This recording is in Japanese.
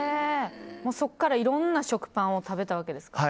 そこからいろんな食パンを食べたわけですか？